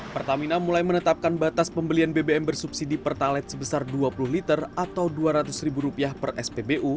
pertamina mulai menetapkan batas pembelian bbm bersubsidi pertalet sebesar dua puluh liter atau rp dua ratus ribu rupiah per spbu